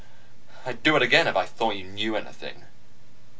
I'd do it again if I thought you knew anything."